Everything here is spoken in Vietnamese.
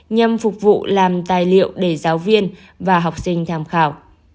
nhằm phục vụ làm tài liệu để giáo viên và học sinh tham khảo